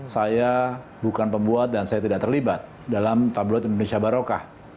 saya bukan pembuat dan saya tidak terlibat dalam tabloid indonesia barokah